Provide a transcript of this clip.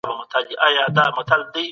که چېرې پايله غلطه وي نو بيا يې وڅېړی.